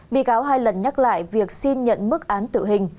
bị cáo hai lần nhắc lại việc xin nhận mức án tử hình